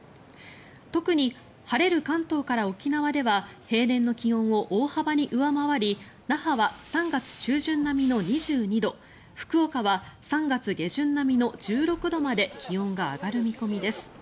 特に、晴れる関東から沖縄では平年の気温を大幅に上回り那覇は３月中旬並みの２２度福岡は３月下旬並みの１６度まで気温が上がる見込みです。